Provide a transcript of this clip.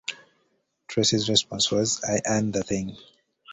Tracy's response was: I earned the ... thing.